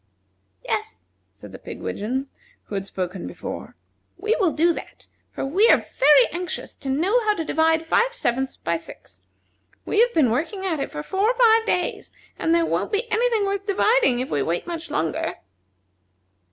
"Yes," said the pigwidgeon who had spoken before. "We will do that, for we are very anxious to know how to divide five sevenths by six. We have been working at it for four or five days, and there won't be any thing worth dividing if we wait much longer."